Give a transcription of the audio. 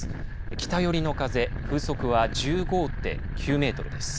北寄りの風風速は１５．９メートルです。